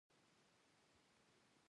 مینه او ورورولي ټولنه پیاوړې کوي.